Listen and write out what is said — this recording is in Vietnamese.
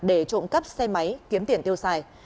để trộm cắp xe máy kiếm tiền tiêu xài